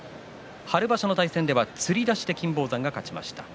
春場所の対戦では、つり出しで金峰山が勝ちました。